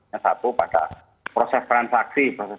yang satu pada proses transaksi